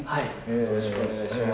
よろしくお願いします。